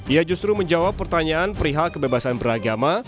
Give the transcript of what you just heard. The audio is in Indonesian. ia justru menjawab pertanyaan perihal kebebasan beragama